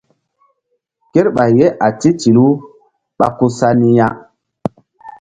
Kerɓay ye a titilu ɓa ku sa ni ya.